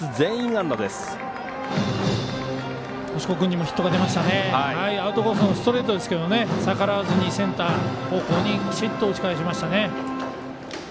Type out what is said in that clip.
アウトコースのストレートですが逆らわずにセンター方向にきちっと打ち返しましたね。